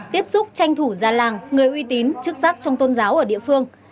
tiếp xúc tranh thủ gia làng người uy tín chức sắc trong tôn giáo ở địa phương